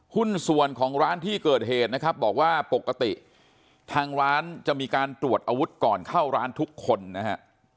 หุ้นส่วนของร้านที่เกิดเหตุนะครับบอกว่าปกติทางร้านจะมีการตรวจอาวุธก่อนเข้าร้านทุกคนนะฮะ